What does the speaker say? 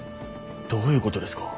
どういうことですか？